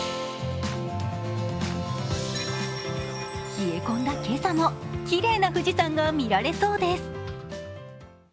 冷え込んだ今朝もきれいな富士山が見られそうです。